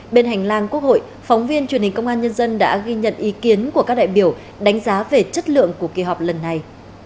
bên hành lang quốc hội phóng viên truyền hình công an nhân dân đã ghi nhận ý kiến của các đại biểu đánh giá về chất lượng của kỳ họp lần này